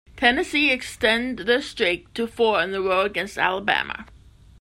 Tennessee extend their streak to four in the row against Alabama.